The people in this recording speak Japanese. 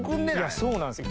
そうなんですよ。